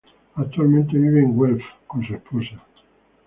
Actualmente vive en Guelph con su esposa.